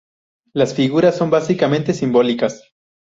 Las figuras son básicamente simbólicas.